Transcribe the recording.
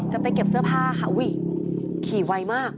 จะไปเก็บเสื้อผ้าค่ะอุ้ยขี่ไวมาก